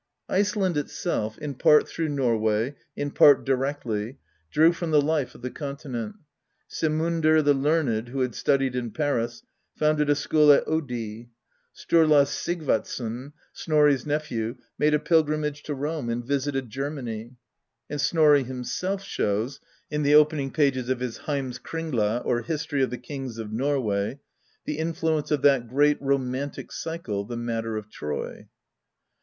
Iceland itself, in part through Norway, in part directly, drew from the life of the Continent : Saemundr the Learned, who had studied in Paris, founded a school at Oddi; Sturla Sigvatsson, Snorri's nephew, made a pilgrimage to Rome, and visited Germany; and Snorri himself shows, in the opening pages of his Heimskringla^ or History of the Kings of Norway, the influence of that great romantic cycle, the Matter of Troy.